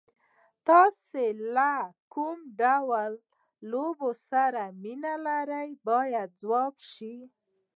تاسو له کوم ډول لوبو سره مینه لرئ باید ځواب شي.